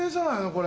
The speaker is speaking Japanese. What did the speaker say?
これ。